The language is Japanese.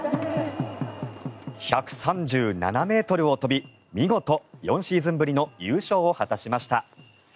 １３７ｍを飛び見事４シーズンぶりの優勝を果たしました。